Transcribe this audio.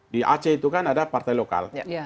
di aceh itu kan ada partai lokal